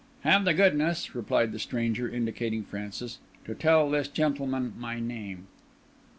"Have the goodness," replied the stranger, indicating Francis, "to tell this gentleman my name."